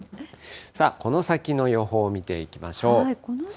さあ、この先の予報を見ていきましょう。